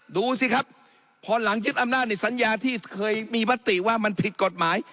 ดูสิครับพอหลังยึดอำนาจในสัญญาที่เคยมีมติว่ามันผิดกฎหมาย